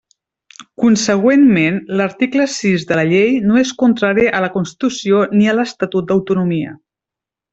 Consegüentment, l'article sis de la Llei no és contrari a la Constitució ni a l'Estatut d'autonomia.